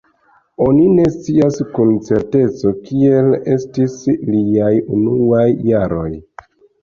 Oni ne scias kun certeco kiel estis liaj unuaj jaroj.